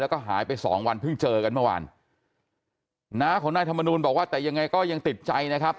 แล้วก็หายไปสองวันเพิ่งเจอกันเมื่อวานน้าของนายธรรมนูลบอกว่าแต่ยังไงก็ยังติดใจนะครับ